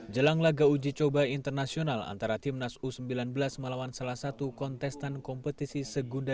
jelang laga uji coba internasional antara timnas u sembilan belas melawan salah satu kontestan kompetisi segunda